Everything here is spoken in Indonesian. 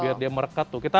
biar dia merekat tuh